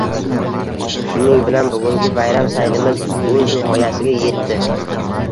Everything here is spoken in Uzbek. Shuning bilan bugungi bayram saylimiz uz nihoyasiga yetdi.